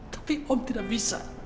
tapi om tidak bisa